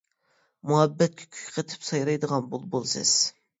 مۇھەببەتكە كۈي قېتىپ سايرايدىغان بۇلبۇل سىز.